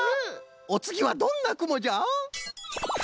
おつぎはどんなくもじゃ？